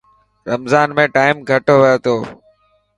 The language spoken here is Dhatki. رمضان ۾ ٽائم گهٽ هئي تو.